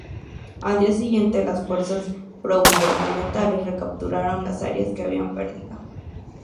Al día siguiente, las fuerzas progubernamentales recapturaron las áreas que habían perdido.